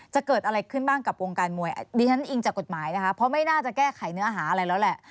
จะเกิดอะไรขึ้นบ้างกับวงการมวยดิฉันอิงจากกฎหมายนะคะเพราะไม่น่าจะแก้ไขเนื้อหาอะไรแล้วแหละ